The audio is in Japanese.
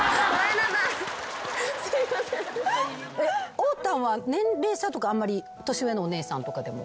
おーたんは年齢差とかあんまり年上のお姉さんとかでも。